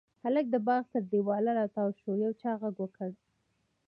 هلک د باغ تر دېواله را تاو شو، يو چا غږ کړل: